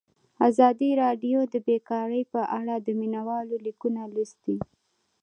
ازادي راډیو د بیکاري په اړه د مینه والو لیکونه لوستي.